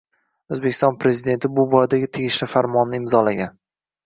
O‘zbekiston Prezidenti bu boradagi tegishli farmonni imzolagan